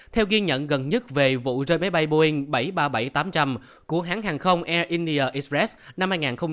theo ghi nhận gần nhất về vụ rơi máy bay boeing bảy trăm ba mươi bảy tám trăm linh của hãng hàng không air inier express năm hai nghìn một mươi tám